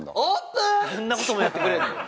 そんなこともやってくれるの？